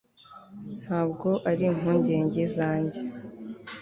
ntabwo ari impungenge zanjye